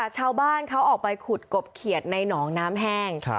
ชาวบ้านเขาออกไปขุดกบเขียดในหนองน้ำแห้ง